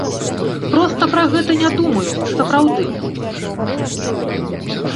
Проста пра гэта не думаю, сапраўды.